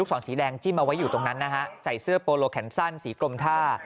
สอนสีแดงจิ้มเอาไว้อยู่ตรงนั้นนะฮะใส่เสื้อโปโลแขนสั้นสีกลมท่า